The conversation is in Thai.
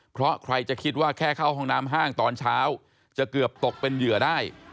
เพราะใครจะคิดว่าแค่เข้าห้องน้ำห้างตอนเช้าจะเกือบตกเป็นเหยื่อได้